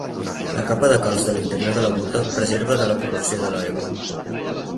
La capa de calç de l’interior de la bóta preserva de la corrupció de l’aigua.